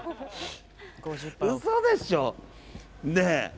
嘘でしょ。